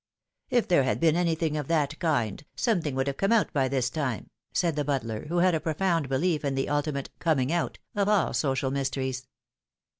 " If there had been anything of that kind, something would have come out by this time," said the butler, who had a profound belief in the ultimate " coming out " of all social mysteries.